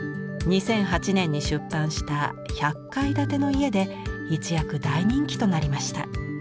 ２００８年に出版した「１００かいだてのいえ」で一躍大人気となりました。